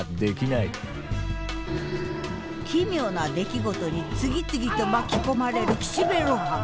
奇妙な出来事に次々と巻き込まれる岸辺露伴。